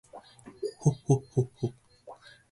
裁縫道具